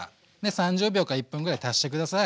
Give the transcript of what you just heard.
３０秒か１分ぐらい足して下さい。